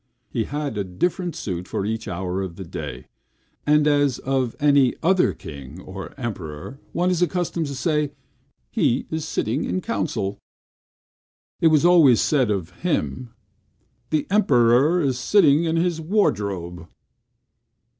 He had a different suit for each hour of the day; and as of any other king or emperor, one is accustomed to say, "he is sitting in council," it was always said of him, "The Emperor is sitting in his wardrobe."